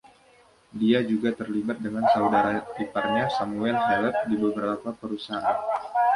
Dia juga terlibat dengan saudara iparnya, Samuel Hallett, di beberapa perusahaan.